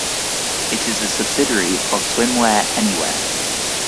It is a subsidiary of Swimwear Anywhere.